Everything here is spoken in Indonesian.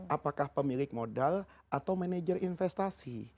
apakah pemilik modal atau manajer investasi